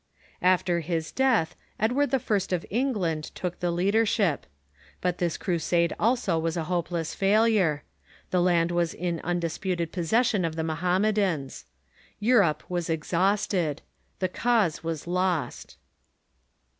After his death Edward I. of England took the leadership. But this Crusade also was a hopeless failure. The land was in undisputed possession of the Mohammedans. Europe was exhausted. The cause was lost.